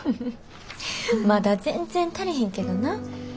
まだ全然足りひんけどな。